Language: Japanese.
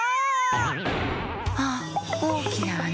あっおおきなあな。